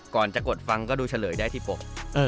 ก่อนจะกดฟังก็ดูเฉลยได้ที่ปก